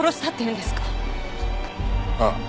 ああ。